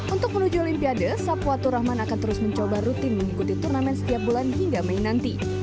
untuk menuju olimpiade sapuatur rahman akan terus mencoba rutin mengikuti turnamen setiap bulan hingga mei nanti